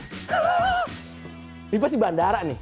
ini pasti bandara nih